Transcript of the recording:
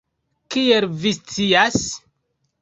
Kiel vi scias?